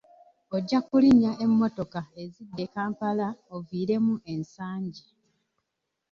Ojja kulinnya emmotoka ezidda e Kampala oviiremu e Nsangi.